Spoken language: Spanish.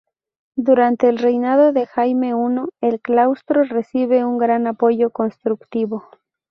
Durante el reinado de Jaime I el claustro recibe un gran apoyo constructivo.